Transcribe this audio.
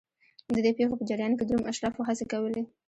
د دې پېښو په جریان کې د روم اشرافو هڅې کولې